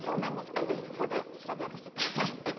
あと１歩で調べようとしててだけど。